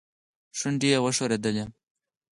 شونډي يې وخوځېدې.